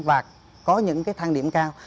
và có những thang điểm cao